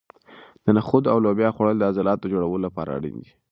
د نخودو او لوبیا خوړل د عضلاتو د جوړولو لپاره اړین دي.